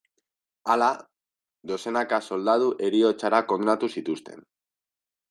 Hala, dozenaka soldadu heriotzara kondenatu zituzten.